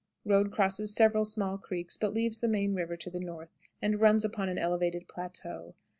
Road crosses several small creeks, but leaves the main river to the north, and runs upon an elevated plateau.